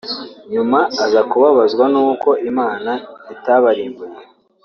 nyuma aza kubabazwa nuko Imana itabarimbuye